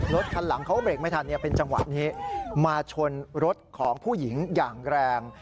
รถคันหลังเขาเบรกไม่ทันเป็นจังหวะนี้มาชนรถของผู้หญิงอย่างแรง